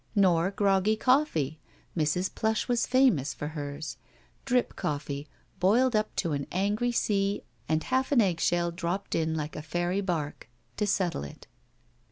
Nor groggy coSee; Mrs. Plush was famous for hers. Drip cc^ee, boiled up to an angry sea and half an eggshell dropped in like a fairy barque, to settle it.